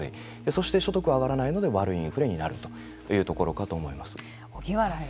そして、所得が上がらないので悪いインフレになるというところかと思います。